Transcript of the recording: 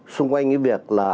xung quanh việc là